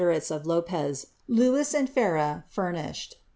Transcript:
rjtes of L ipei. Louis and Ferreira, furnished.